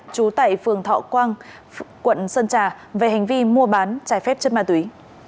chú tại phường thọ quang quận sơn trà về hành vi mua bán trải phép chất ma túy